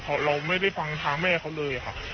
เพราะเราไม่ได้ฟังทางแม่เขาเลยค่ะ